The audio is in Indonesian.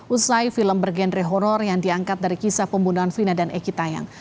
usai film bergenre horror yang diangkat dari kisah pembunuhan frina dan eki tayang